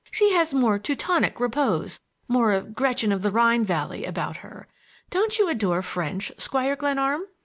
She has more Teutonic repose,—more of Gretchen of the Rhine Valley about her. Don't you adore French, Squire Glenarm?"